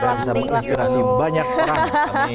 kami bisa menginspirasi banyak orang